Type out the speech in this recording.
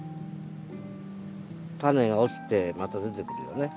タネが落ちてまた出てくるよね。